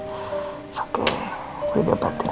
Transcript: it's okay boleh dapetin ya